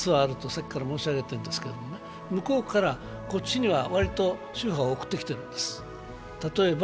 さっきから申し上げてますが向こうからこっちには、割と秋波を送ってきているんです。